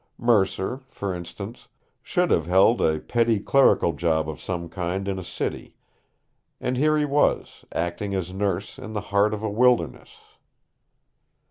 Mercer, for instance, should have held a petty clerical job of some kind in a city, and here he was acting as nurse in the heart of a wilderness!